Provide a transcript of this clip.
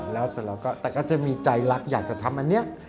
แต่ก็จะมีใจรักอยากจะทำอันนี้